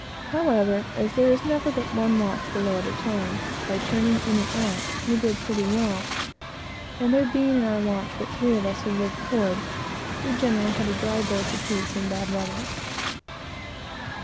However, as there is never but one watch below at a time, by 'turning in and out,' we did pretty well. And there being, in our watch, but three of us who lived forward, we generally had a dry berth apiece in bad weather.